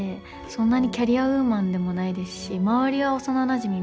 そんなにキャリアウーマンでもないですし周りは幼なじみ